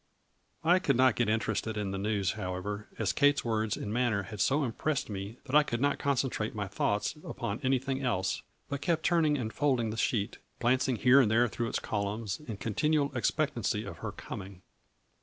I could not get interested in the news however, as Kate's words and manner had so impressed me that I could not concentrate my thoughts upon anything else, but kept turning and folding the sheet, glancing here and there through its columns, in continual expectancy of her coming.